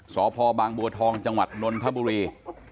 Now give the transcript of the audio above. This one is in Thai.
สพบางบัวทองจังหวัดนนทบุรี